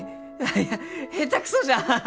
いや下手くそじゃ！